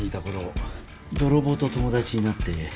泥棒と友達になって。